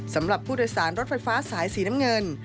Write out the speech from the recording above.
สำหรับผู้โดยสารรถไฟฟ้าสายสีน้ำเงิน